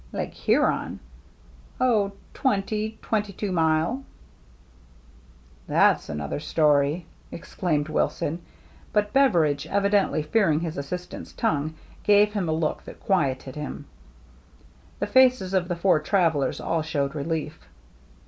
" Lake Huron ?— Oh, twenty, — twenty two mile." THE GINGHAM DRESS 273 " That's another story !" exclaimed Wilson. But Beveridge, evidently fearing his assistant's tongue, gave hini a look that quieted him. The faces of the four travellers all showed relief.